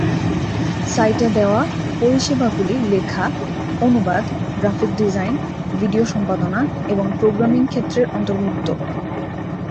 সাইটে দেওয়া পরিষেবাগুলি লেখা, অনুবাদ, গ্রাফিক ডিজাইন, ভিডিও সম্পাদনা এবং প্রোগ্রামিং ক্ষেত্রের অন্তর্ভুক্ত।